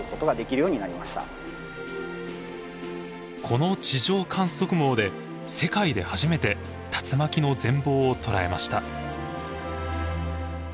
この地上観測網で世界で初めて竜巻の全貌を捉えました。